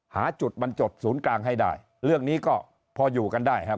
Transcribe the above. หาจุดบรรจดศูนย์กลางให้ได้เรื่องนี้ก็พออยู่กันได้ครับ